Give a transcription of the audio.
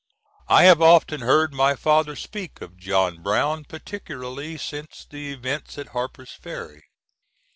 I have often heard my father speak of John Brown, particularly since the events at Harper's Ferry.